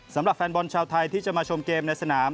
สำหรับแฟนบอลชาวไทยที่จะมาชมเกมในสนาม